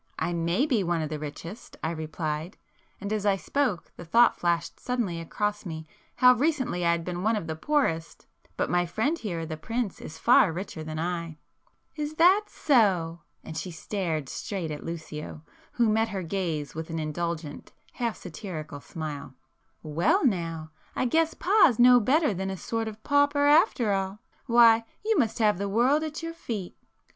"I may be one of the richest,"—I replied, and as I spoke the thought flashed suddenly across me how recently I had been one of the poorest!—"But my friend here, the prince, is far richer than I." "Is that so!" and she stared straight at Lucio, who met her gaze with an indulgent, half satirical smile—"Well now! I guess Pa's no better than a sort of pauper after all! Why, you must have the world at your feet!"